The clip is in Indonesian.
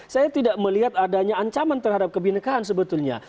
saya tidak melihat adanya ancaman terhadap kebenekaan sebetulnya